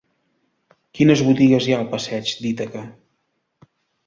Quines botigues hi ha al passeig d'Ítaca?